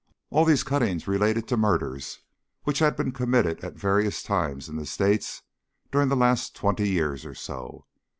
All these cuttings related to murders which had been committed at various times in the States during the last twenty years or so.